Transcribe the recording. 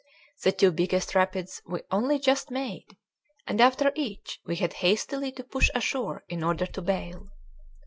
The two biggest rapids we only just made, and after each we had hastily to push ashore in order to bail.